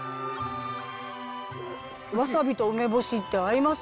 ワサビと梅干しって合います！